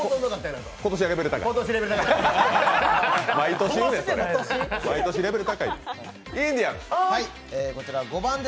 今年レベル高い。